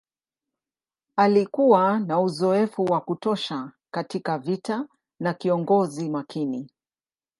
Alikuwa na uzoefu wa kutosha katika vita na kiongozi makini.